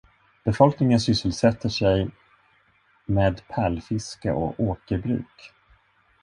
Befolkningen sysselsätter sig med pärlfiske och åkerbruk.